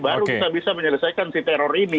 baru kita bisa menyelesaikan si teror ini